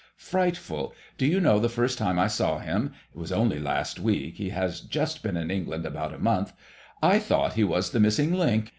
Frightful I Do you know, the first time I saw him (it was only last week, he has just been in England about a month) I thought he was the missing link.